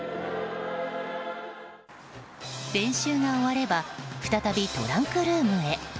練習が終われば再びトランクルームへ。